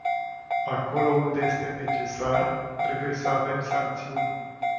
Acolo unde este necesar, trebuie să avem sancțiuni.